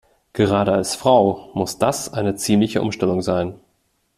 Gerade als Frau muss das eine ziemliche Umstellung sein.